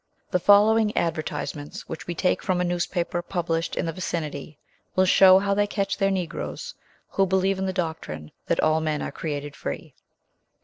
The following advertisements, which we take from a newspaper published in the vicinity, will show how they catch their Negroes who believe in the doctrine that "all men are created free."